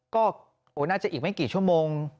ก็น่าจะอีกไม่กี่ชั่วโมง